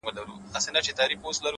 هره ناکامي د بیا هڅې بلنه ده’